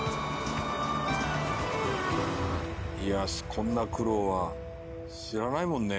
こんな苦労は知らないもんね。